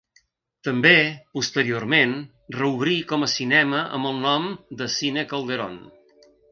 També, posteriorment, reobrí com a cinema amb el nom de Cine Calderón.